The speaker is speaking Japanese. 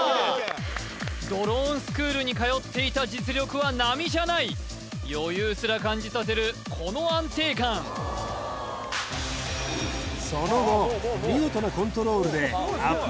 ドローンスクールに通っていた実力は並じゃない余裕すら感じさせるこの安定感その後見事なコントロールでアップ